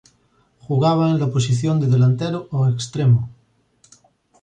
Jugaba en la posición de delantero o extremo.